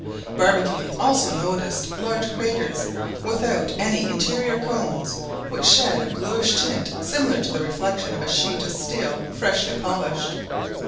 Barbicane also noticed large craters, without any interior cones, which shed a bluish tint similar to the reflection of a sheet of steel freshly polished.